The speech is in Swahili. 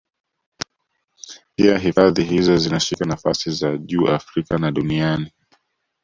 Pia hifadhi hizo zinashika nafasi za juu Afrika na duniani